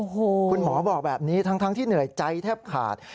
โอ้โหคุณหมอบอกแบบนี้ทั้งที่เหนื่อยใจแทบขาด